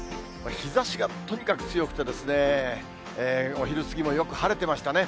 日ざしがとにかく強くてですね、お昼過ぎもよく晴れてましたね。